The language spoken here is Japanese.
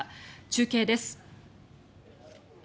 中継です。